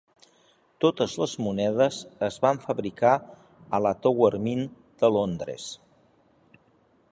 Totes les monedes es van fabricar a la Tower Mint de Londres.